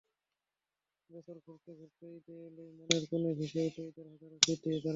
বছর ঘুরতে ঘুরতে ঈদে এলেই মনের কোণে ভেসে ওঠে ঈদের হাজারো স্মৃতি।